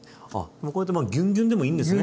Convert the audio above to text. もうこうやってギュンギュンでもいいんですね。